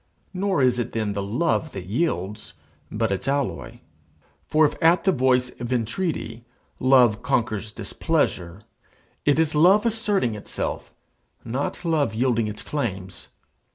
Nor is it then the love that yields, but its alloy. For if at the voice of entreaty love conquers displeasure, it is love asserting itself, not love yielding its claims.